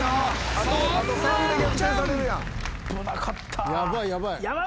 危なかった。